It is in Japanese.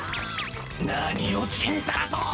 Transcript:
何をちんたらと。